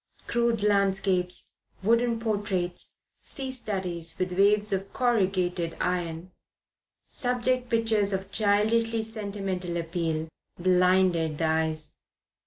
Crude landscapes, wooden portraits, sea studies with waves of corrugated iron, subject pictures of childishly sentimental appeal, blinded the eyes.